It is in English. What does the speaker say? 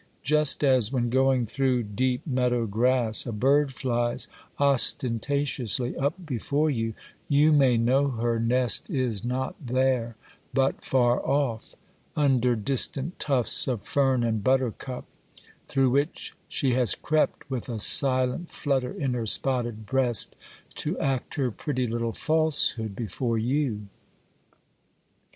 just as, when going through deep meadow grass, a bird flies ostentatiously up before you, you may know her nest is not there, but far off, under distant tufts of fern and buttercup, through which she has crept with a silent flutter in her spotted breast, to act her pretty little falsehood before you.